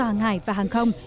hàng hải và hàng không